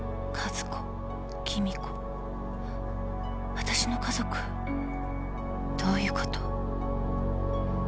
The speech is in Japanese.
わたしの家族どういうこと？